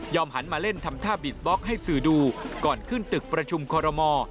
หันมาเล่นทำท่าบิดบล็อกให้สื่อดูก่อนขึ้นตึกประชุมคอรมอ